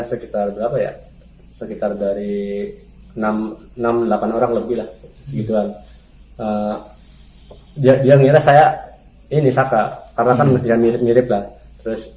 sekitar dari enam ratus enam puluh delapan orang lebih lah gitu dia ngira saya ini saka karena kan mirip mirip lah terus